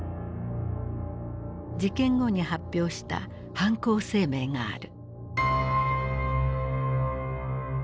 事件後に発表した「犯行声明」がある。